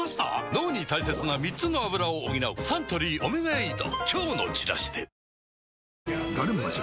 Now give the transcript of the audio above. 脳に大切な３つのアブラを補うサントリー「オメガエイド」